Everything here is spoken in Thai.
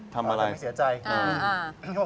ทำอะไรไม่เสียใจค่ะ